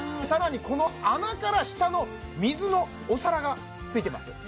更にこの穴から下の水のお皿がついてます